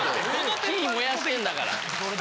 火燃やしてんだから。